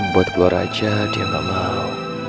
buat gua raja dia gak mau